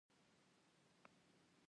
خو هغه وویل زه یو غوره ځای پیژنم